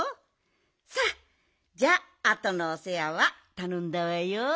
さあじゃああとのおせわはたのんだわよ。